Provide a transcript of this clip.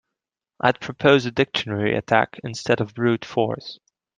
I'd propose a dictionary attack instead of brute force.